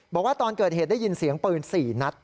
บอกว่าตอนเกิดเหตุได้ยินเสียงปืน๔นัด